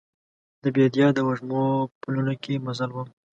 د بیدیا د وږمو پلونو کې مزل وم